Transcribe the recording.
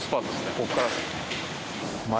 ここから。